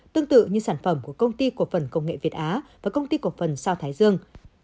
tương tự như sản phẩm của công ty cổ phần công nghệ việt á và công ty cổ phần sao thái dương